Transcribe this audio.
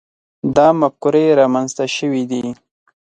دا مفکورې رامنځته شوي دي.